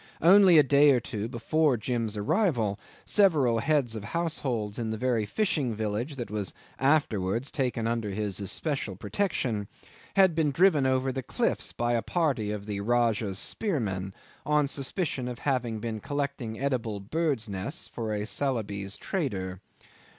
Only a day or two before Jim's arrival several heads of households in the very fishing village that was afterwards taken under his especial protection had been driven over the cliffs by a party of the Rajah's spearmen, on suspicion of having been collecting edible birds' nests for a Celebes trader.